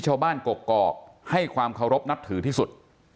ชาวบ้านกกอกให้ความเคารพนับถือที่สุด